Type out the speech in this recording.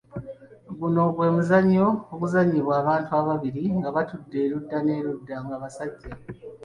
Guno gwe muzannyo oguzannyibwa abantu ababiri nga batudde erudda n’erudda nga basajja.